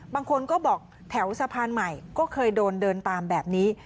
บางคนก็บอกแถวสะพานใหม่ก็เคยโดนเดินตามแบบนี้